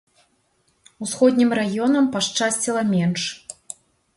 Усходнім раёнам пашчасціла менш.